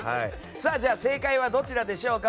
正解はどちらでしょうか。